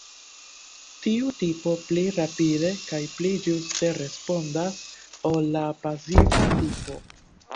Tiu tipo pli rapide kaj pli ĝuste respondas ol la pasiva tipo.